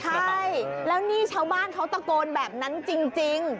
ใช่แล้วนี่ชาวบ้านเขาตะโกนแบบนั้นจริง